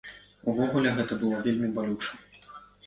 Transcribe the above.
Увогуле, гэта было вельмі балюча.